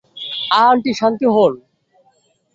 আহা আন্টি, শান্ত হোন।